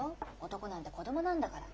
男なんて子供なんだから。